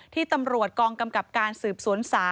ที่ตำรวจกองกำกับการสืบสวน๓